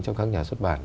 trong các nhà xuất bản